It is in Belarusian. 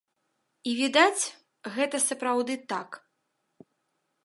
І відаць, гэта сапраўды так.